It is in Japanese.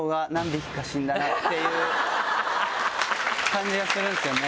っていう感じがするんですよね。